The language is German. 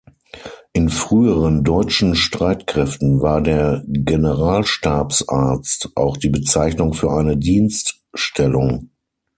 In früheren deutschen Streitkräften war der Generalstabsarzt auch die Bezeichnung für eine Dienststellung.